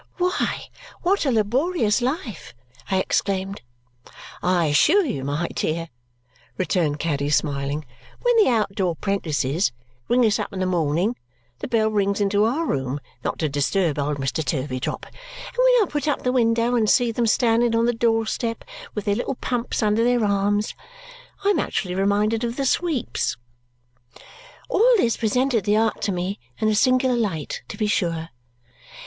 "Why, what a laborious life!" I exclaimed. "I assure you, my dear," returned Caddy, smiling, "when the out door apprentices ring us up in the morning (the bell rings into our room, not to disturb old Mr. Turveydrop), and when I put up the window and see them standing on the door step with their little pumps under their arms, I am actually reminded of the Sweeps." All this presented the art to me in a singular light, to be sure.